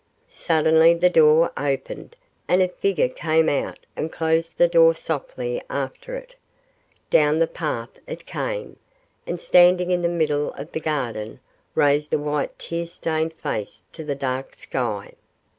Suddenly the door opened, and a figure came out and closed the door softly after it. Down the path it came, and standing in the middle of the garden, raised a white tear stained face to the dark sky.